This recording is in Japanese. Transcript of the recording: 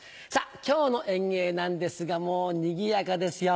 今日の演芸なんですがもうにぎやかですよ。